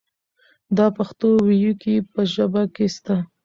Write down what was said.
دا پښتو وييکي په ژبه کې سته.